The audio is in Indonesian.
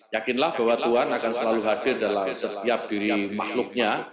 yakinlah bahwa tuhan akan selalu hadir dalam setiap diri makhluknya